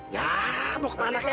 ya mau kemana